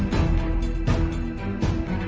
จะสู้เพื่อน